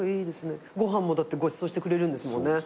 ご飯もごちそうしてくれるんですもんね。